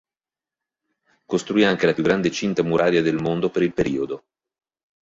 Costruì anche la più grande cinta muraria del mondo per il periodo.